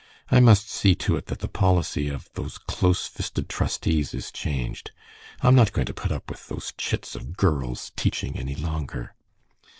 I must see to it that the policy of those close fisted trustees is changed. I am not going to put up with those chits of girls teaching any longer."